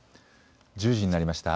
１０時になりました。